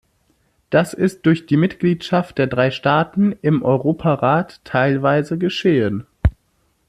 Das ist durch die Mitgliedschaft der drei Staaten im Europarat teilweise geschehen.